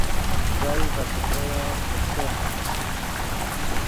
گلت پے ݯتریو ام دیفتے